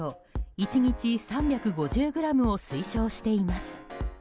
１日３５０ｇを推奨しています。